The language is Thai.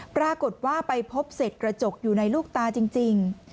ปรากฏว่าไปพบเสร็จกระจกอยู่ในลูกตาจริง